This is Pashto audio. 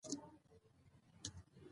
دا دره د علیشي د غرونو په لمنو کې